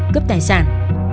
cấp tài sản